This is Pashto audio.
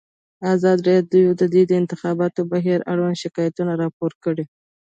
ازادي راډیو د د انتخاباتو بهیر اړوند شکایتونه راپور کړي.